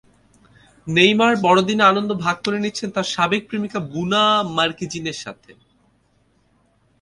Neymar বড়দিনের আনন্দ ভাগ করে নিচ্ছেন তাঁর সাবেক প্রেমিকা ব্রুনা মার্কেজিনের সঙ্গে।